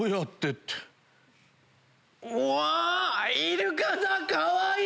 うわイルカだかわいい！